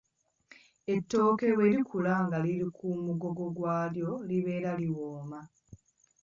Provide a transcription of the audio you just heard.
Ettooke bwe likula nga liri ku mugogo gwalyo libeera liwooma.